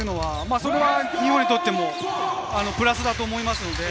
それは日本にとってもプラスだと思います。